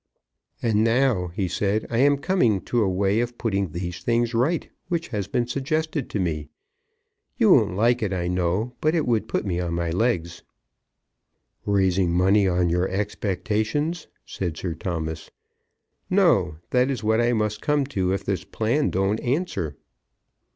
"And now," he said, "I am coming to a way of putting these things right which has been suggested to me. You won't like it, I know. But it would put me on my legs." "Raising money on your expectations?" said Sir Thomas. "No; that is what I must come to if this plan don't answer."